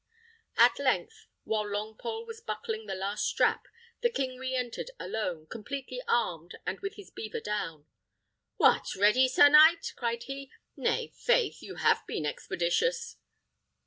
At length, while Longpole was buckling the last strap, the king re entered alone, completely armed, and with his beaver down. "What! ready, sir knight?" cried he; "nay, 'faith, you have been expeditious."